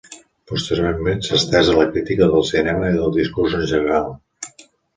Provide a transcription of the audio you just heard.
Posteriorment s'ha estès a la crítica del cinema i del discurs en general.